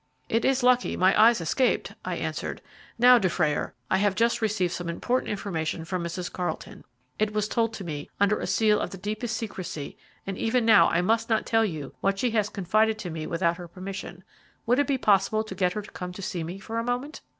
"It is lucky my eyes escaped," I answered. "Now, Dufrayer, I have just received some important information from Mrs. Carlton. It was told to me under a seal of the deepest secrecy, and even now I must not tell you what she has confided to me without her permission. Would it be possible to get her to come to see me for a moment?"